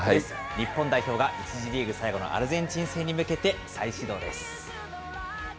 日本代表が１次リーグ最後のアルゼンチン戦に向けて再始動です。